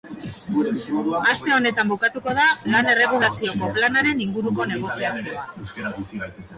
Aste honetan bukatuko da lan-erregulazioko planaren inguruko negoziazioa.